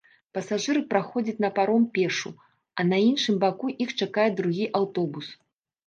Пасажыры праходзяць на паром пешшу, а на іншым баку іх чакае другі аўтобус.